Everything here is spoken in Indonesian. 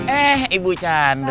eh ibu chandra